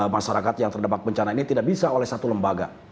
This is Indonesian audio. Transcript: masyarakat yang terdampak bencana ini tidak bisa oleh satu lembaga